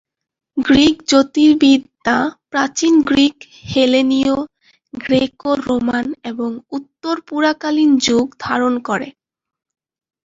Greek জ্যোতির্বিদ্যা প্রাচীন Greek, হেলেনীয়, গ্রেকো-রোমান এবং উত্তর-পুরাকালীন যুগ ধারণ করে।